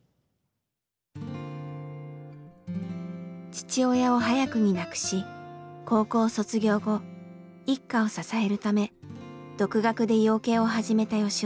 父親を早くに亡くし高校卒業後一家を支えるため独学で養鶏を始めた吉雄さん。